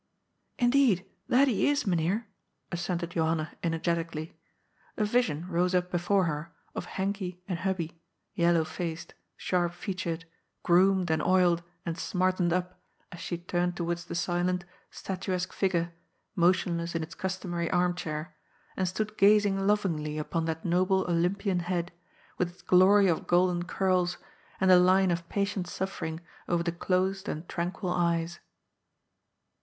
" Indeed, that he is. Mynheer," assented Johanna ener getically. A vision rose up before her of Henkie and Hub bie, yellow faced, sharp featured, groomed and oiled and smartened up, as she turned towards the silent, statuesque figure, motionless in its customary arm chair, and stood gazing lovingly upon that noble Olympian head, with its glory of golden curls and the line of patient suffering over the closed and tranquil eyes.